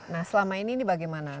nah selama ini bagaimana